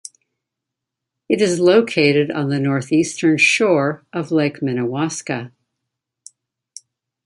It is located on the northeastern shore of Lake Minnewaska.